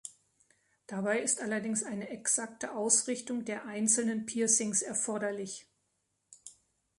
Dabei ist allerdings eine exakte Ausrichtung der einzelnen Piercings erforderlich.